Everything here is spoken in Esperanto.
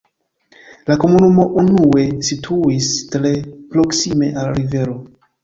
La komunumo unue situis tre proksime al rivero.